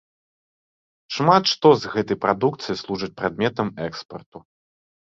Шмат што з гэтай прадукцыі служыць прадметам экспарту.